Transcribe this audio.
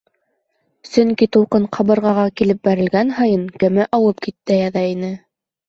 Сөнки тулҡын ҡабырғаға килеп бәрелгән һайын, кәмә ауып китә яҙа ине.